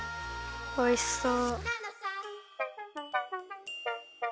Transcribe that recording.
おいしそう。